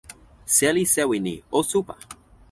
seli sewi ni, o supa!